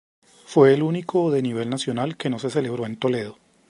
Fue el único de nivel nacional que no se celebró en Toledo.